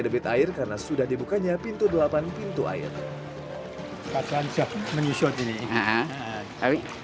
debit air karena sudah dibukanya pintu delapan pintu air pasang pasang menyesuaikan